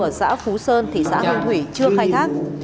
ở xã phú sơn thị xã hương thủy chưa khai thác